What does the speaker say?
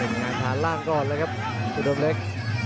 งานฐานล่างก่อนเลยครับอุดมเล็ก